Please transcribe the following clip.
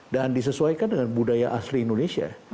dan disesuaikan dengan budaya asli indonesia